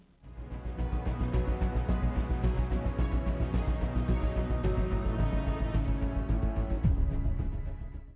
lalu saya berpikir apa yang saya lakukan